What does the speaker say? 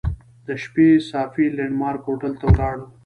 د شپې صافي لینډ مارک هوټل ته ولاړو.